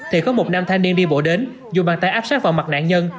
thì có một nam thanh niên đi bộ đến dù bàn tay áp sát vào mặt nạn nhân